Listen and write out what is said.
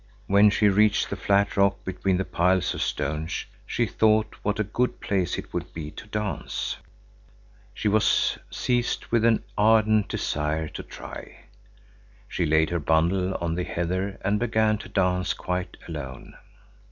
When she reached the flat rock between the piles of stones, she thought what a good place it would be to dance. She was seized with an ardent desire to try. She laid her bundle on the heather and began to dance quite alone.